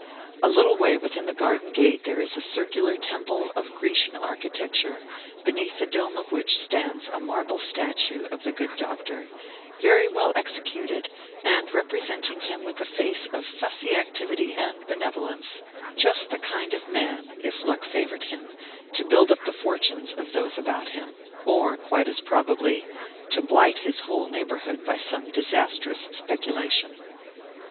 A little way within the garden gate there is a circular temple of Grecian architecture, beneath the dome of which stands a marble statue of the good Doctor, very well executed, and representing him with a face of fussy activity and benevolence: just the kind of man, if luck favored him, to build up the fortunes of those about him, or, quite as probably, to blight his whole neighborhood by some disastrous speculation.